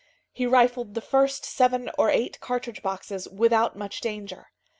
He rifled the first seven or eight cartridge boxes without much danger.